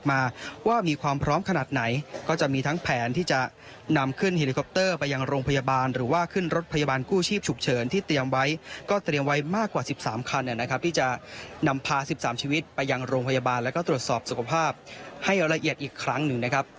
ลำพาสิบสามชีวิตไปยังโรงพยาบาลแล้วก็ตรวจสอบสภาพให้ระเย็ดอีกครั้งหนึ่งนะครับ